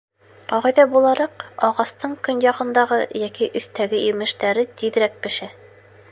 Ҡағиҙә булараҡ, ағастың көньяғындағы йәки өҫтәге емештәре тиҙерәк бешә.